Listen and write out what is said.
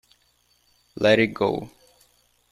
Let it go.